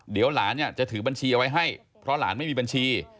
เดี๋ยวหลานเนี่ยจะถือบัญชีเอาไว้ให้เพราะหลานไม่มีบัญชี